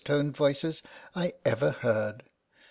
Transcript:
81 toned voices I ever heard.